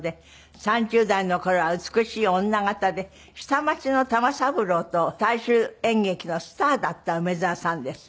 ３０代の頃は美しい女形で下町の玉三郎と大衆演劇のスターだった梅沢さんです。